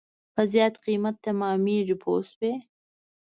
په زیات قیمت تمامېږي پوه شوې!.